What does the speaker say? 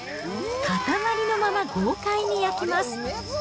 塊のまま、豪快に焼きます。